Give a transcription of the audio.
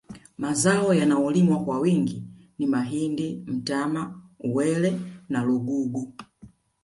Mazao yanayolimwa kwa wingi ni mahindi mtama uwele na lugugu